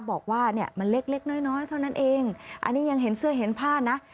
บอกว่าเนี่ยมันเล็กเล็กน้อยน้อยเท่านั้นเองอันนี้ยังเห็นเสื้อเห็นผ้านะ